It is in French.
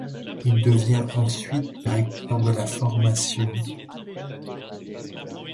Il devient ensuite directeur de la formation.